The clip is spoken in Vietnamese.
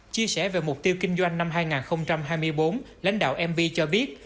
chia sẻ về mục tiêu kinh doanh năm hai nghìn hai mươi bốn lãnh đạo mv cho biết